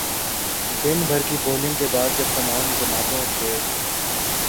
دن بھر کی پولنگ کے بعد جب تمام جماعتوں کے